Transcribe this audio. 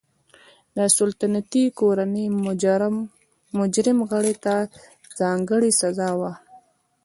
د سلطنتي کورنۍ مجرم غړي ته ځانګړې سزا وه.